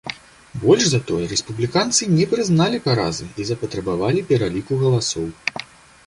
Больш за тое, рэспубліканцы не прызналі паразы і запатрабавалі пераліку галасоў.